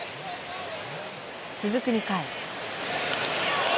続く２回。